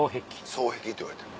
双璧っていわれてる。